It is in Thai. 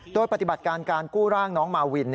โดยปฏิบัติการการกู้ร่างน้องมาวิน